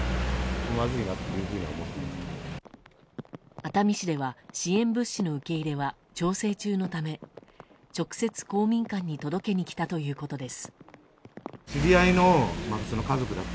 熱海市では支援物資の受け入れは、調整中のため直接、公民館に届けに来たということです。